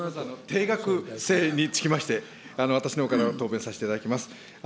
定額制につきまして、私のほうから答弁させていただきます。